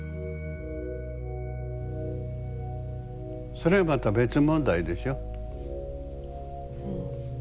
それはまた別問題でしょ。